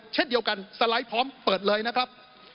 เช่นเดียวกันสไลด์พร้อมเปิดเลยนะครับ